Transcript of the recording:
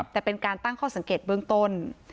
แต่เป็นการตั้งข้อสังเกตเบื้องต้น